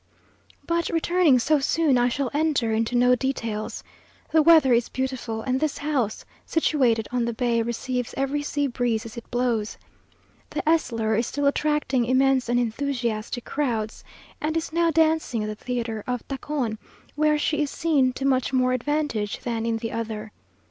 But returning so soon, I shall enter into no details. The weather is beautiful, and this house, situated on the bay, receives every sea breeze as it blows. The Elssler is still attracting immense and enthusiastic crowds; and is now dancing at the theatre of Tacon, where she is seen to much more advantage than in the other.